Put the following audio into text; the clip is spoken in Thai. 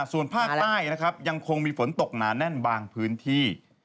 ส่วนภาคใต้นะครับยังคงมีฝนตกหนาแน่นบางพื้นที่